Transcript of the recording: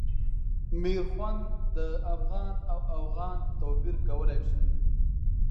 میرخوند د افغان او اوغان توپیر کولای شي.